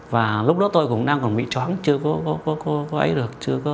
và lúc đó tôi cũng đang còn bị chóng chưa có ấy được